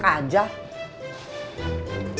kayak gue budek aja